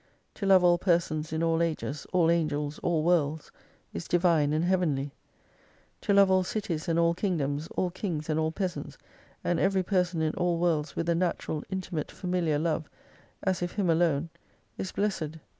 To love all persons in all ages, all angels, all worlds, is Divine and Heavenly. To love all cities and all kingdoms, all kings and all peasants, and every person in all worlds with a natural intimate familiar love, as if him alone, is Blessed.